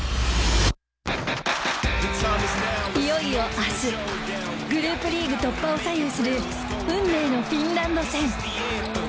いよいよ明日グループリーグ突破を左右する運命のフィンランド戦。